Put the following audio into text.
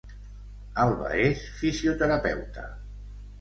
Alba és fisioterapeuta